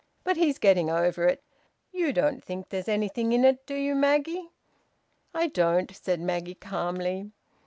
But he's getting over it. You don't think there's anything in it, do you, Maggie?" "I don't," said Maggie calmly.